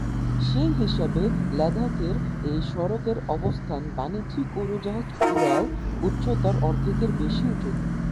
সেই হিসাবে, লাদাখের এ সড়কের অবস্থান বাণিজ্যিক উড়োজাহাজ ওড়ার উচ্চতার অর্ধেকের বেশি উঁচুতে।